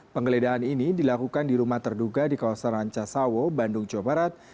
penggeledahan ini dilakukan di rumah terduga di kawasan rancasawo bandung jawa barat